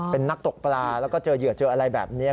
เป็นนักตกปลาแล้วก็เจอเหยื่อเจออะไรแบบนี้